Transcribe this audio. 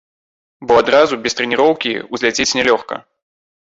Бо адразу, без трэніроўкі, узляцець нялёгка.